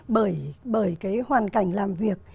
bởi cái hoàn cảnh làm việc